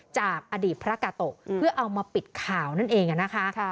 จากอดีตพระกาโตะเพื่อเอามาปิดข่าวนั่นเองนะคะ